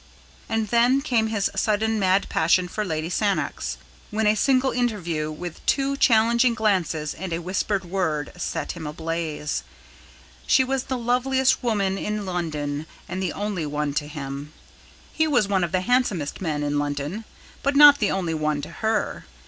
And then there came his sudden mad passion for Lady Sannox, when a single interview with two challenging glances and a whispered word set him ablaze. She was the loveliest woman in London and the only one to him. He was one of the handsomest men in London, but not the only one to her.